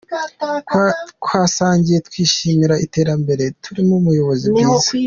Twasangiye, twishimira iterambere turimo, ubuyobozi bwiza.